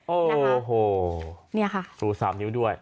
โอ้โหชู๓นิ้วด้วย